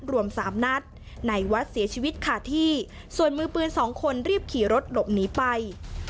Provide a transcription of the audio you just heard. รวมสามนัดในวัดเสียชีวิตขาดที่ส่วนมือปืนสองคนรีบขี่รถหลบหนีไป